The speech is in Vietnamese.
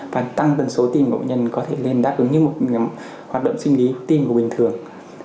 và tăng tần số tim của bệnh nhân có thể lên đáp ứng như một hoạt động sinh lý tim bình thường